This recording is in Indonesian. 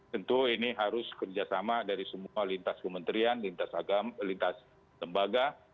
tentu ini harus kerjasama dari semua lintas kementerian lintas agama lintas lembaga